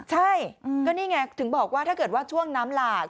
ใช่ก็นี่ไงถึงบอกว่าถ้าเกิดว่าช่วงน้ำหลาก